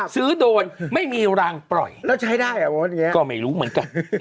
โดนไม่มีรางปล่อยแล้วจะให้ได้เหรอก็ไม่รู้เหมือนกัน